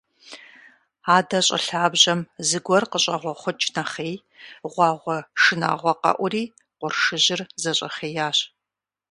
Адэ щӏы лъабжьэм зыгуэр къыщӏэгъуэхъукӏ нэхъей, гъуагъуэ шынагъуэ къэӏури, къуршыжьыр зэщӏэхъеящ.